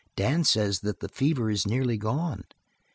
"Dan says that the fever is nearly gone."